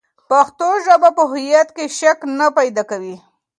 پښتو ژبه په هویت کې شک نه پیدا کوي.